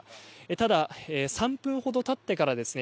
ただ３分ほどたってからですね